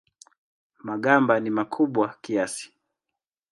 Magamba ni makubwa kiasi.